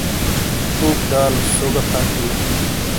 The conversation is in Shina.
پھُوک دالوس سو گہ پھݜ بلو۔